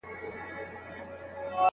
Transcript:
ډېرو ليکوالانو د ټولني لپاره اثار وليکل.